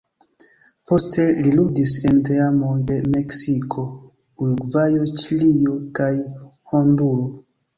Poste li ludis en teamoj de Meksiko, Urugvajo, Ĉilio kaj Honduro.